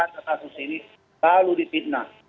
satu sini lalu dipitnah